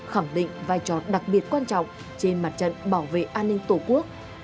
khẳng định vai trò đặc biệt quan trọng trên mặt trận bảo vệ an ninh tổ quốc